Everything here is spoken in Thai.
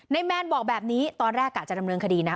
ในแมนบอกแบบนี้ตอนแรกกลายจะทำเรื่องคดีนะ